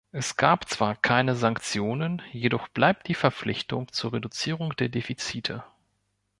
Es gab zwar keine Sanktionen, jedoch bleibt die Verpflichtung zur Reduzierung der Defizite.